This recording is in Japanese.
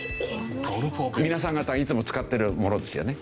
皆さん方いつも使ってるものですよね。